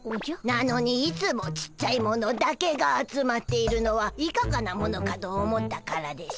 なのにいつもちっちゃいものだけが集まっているのはいかがなものかと思ったからでしゅ。